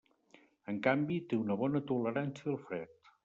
En canvi, té una bona tolerància al fred.